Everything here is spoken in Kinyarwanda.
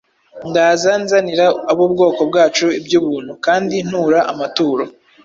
ndaza nzanira ab’ubwoko bwacu iby’ubuntu, kandi ntura amaturo